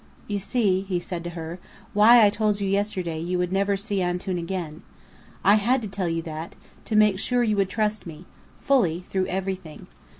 "You see," he said to her, "why I told you yesterday you would never see Antoun again. I had to tell you that, to make sure you would trust me fully, through everything.